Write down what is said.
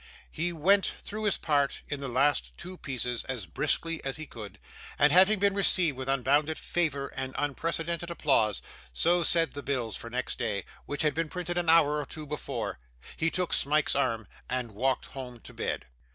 He went through his part in the two last pieces as briskly as he could, and having been received with unbounded favour and unprecedented applause so said the bills for next day, which had been printed an hour or two before he took Smike's arm and walked home to bed.